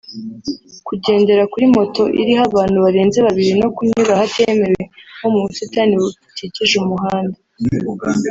kugendera kuri moto iriho abantu barenze babiri no kunyura ahatemewe nko mu busitani bukikije umuhanda